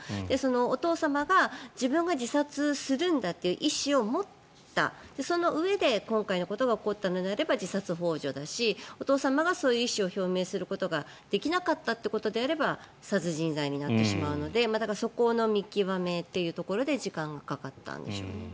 お父様が自分が自殺するんだという意思を持ったそのうえで今回のことが起こったのであれば自殺ほう助だしお父様がそういう意思を表明することができなかったということであれば殺人罪になってしまうのでそこの見極めというところで時間がかかったんでしょうね。